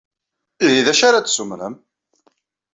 Ihi, d acu ara d-tessumrem?